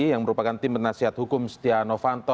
yang merupakan tim penasihat hukum setia novanto